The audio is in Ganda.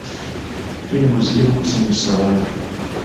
Firimu ziriwo kusanyusa bantu.